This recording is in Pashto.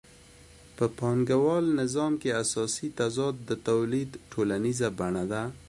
په پانګوالي نظام کې اساسي تضاد د تولید ټولنیزه بڼه ده